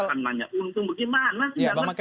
uang belum diharapkan banyak